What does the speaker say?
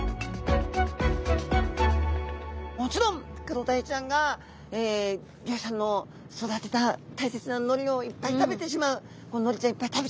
もちろんクロダイちゃんが漁師さんの育てた大切なのりをいっぱい食べてしまうのりちゃんいっぱい食べちゃうというのは